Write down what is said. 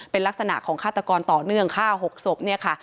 เป็นลักษณะของฆาตกรต่อเนื่องฆ่า๖ศพเนี่ยค่ะ